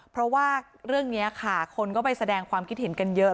เพราะว่าเรื่องนี้ค่ะคนก็ไปแสดงความคิดเห็นกันเยอะ